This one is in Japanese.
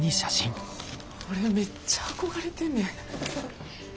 俺めっちゃ憧れてんねん。